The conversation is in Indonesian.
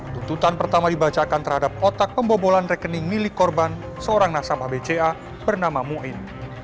tuntutan pertama dibacakan terhadap otak pembobolan rekening milik korban seorang nasabah bca bernama muin